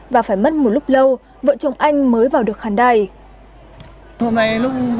và phải mất một lúc lâu vợ chồng anh mới vào được khán đài